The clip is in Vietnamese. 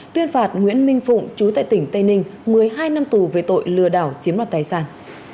tuyên phạt nguyễn minh phụng chú tại tỉnh tây ninh một mươi hai năm tù về tội lừa đảo chiếm đoạt tài sản